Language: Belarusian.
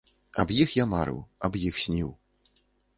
Аб іх я марыў, аб іх сніў.